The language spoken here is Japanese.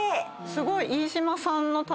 すごい。